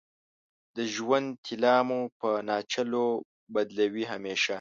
د ژوند طلا مو په ناچلو بدلوې همیشه